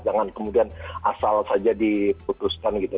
jangan kemudian asal saja diputuskan gitu